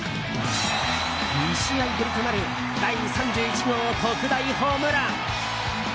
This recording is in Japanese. ２試合ぶりとなる第３１号特大ホームラン。